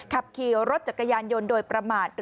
ขับขี่รถจักรยานยนต์โดยประมาท